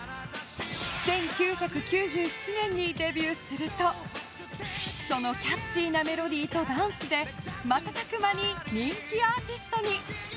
１９９７年にデビューするとそのキャッチーなメロディーとダンスで瞬く間に人気アーティストに。